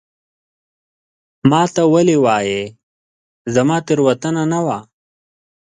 ما ته ولي وایې ؟ زما تېروتنه نه وه